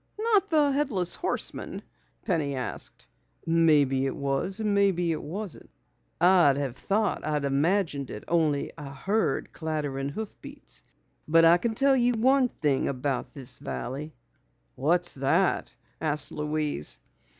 "Not the Headless Horseman?" Penny asked. "Maybe it was, maybe it wasn't. I'd have thought I imagined it only I heard clattering hoofbeats. But I can tell you one thing about this valley." "What's that?" asked Louise.